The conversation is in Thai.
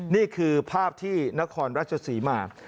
นี่คือภาพที่นครราชศรีมา